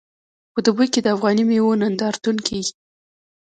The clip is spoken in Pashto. په دوبۍ کې د افغاني میوو نندارتون کیږي.